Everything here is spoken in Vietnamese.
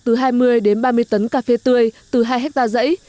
ngược từ hai mươi đến ba mươi tấn cà phê tươi từ hai hectare rẫy